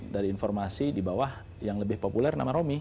dari informasi di bawah yang lebih populer nama romi